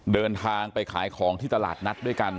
เดินทางไปขายของที่ตลาดนัดด้วยกัน